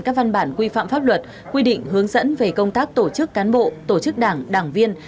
các văn bản quy phạm pháp luật quy định hướng dẫn về công tác tổ chức cán bộ tổ chức đảng đảng viên